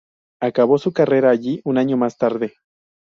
Acabó su carrera allí, un año más tarde.